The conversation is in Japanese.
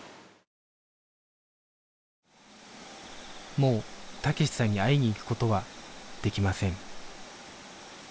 もう武志さんに会いに行くことはできません